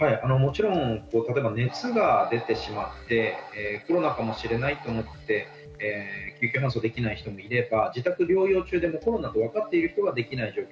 熱が出てしまってコロナかもしれないと思って救急搬送ができない人もいれば、自宅療養中で、コロナと分かっていて救急搬送できない人。